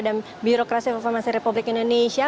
dan birokrasi reformasi republik indonesia